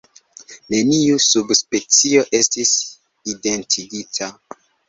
Neniu subspecio estis identigita.